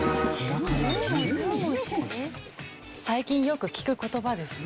最近よく聞く言葉ですね。